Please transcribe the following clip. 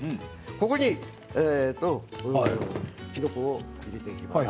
ここにきのこを入れていきます。